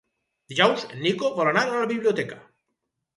Dijous en Nico vol anar a la biblioteca.